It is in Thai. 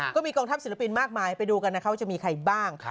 ก็มีกองทัพศิลปินมากมายไปดูกันนะคะว่าจะมีใครบ้าง